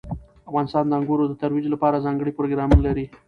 افغانستان د انګورو د ترویج لپاره ځانګړي پروګرامونه لري.